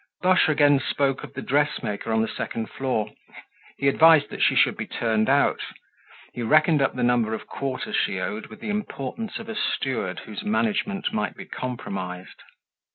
Boche again spoke of the dressmaker on the second floor; he advised that she should be turned out; he reckoned up the number of quarters she owed with the importance of a steward whose management might be compromised.